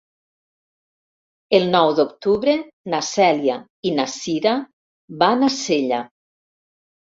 El nou d'octubre na Cèlia i na Cira van a Sella.